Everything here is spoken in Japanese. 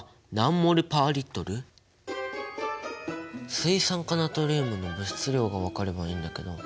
水酸化ナトリウムの物質量が分かればいいんだけど。